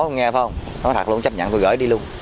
nó thật lòng chấp nhận tôi gửi đi luôn